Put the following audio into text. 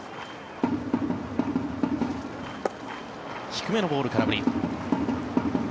低めのボール、空振り。